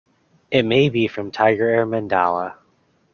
It may be from Tigerair Mandala.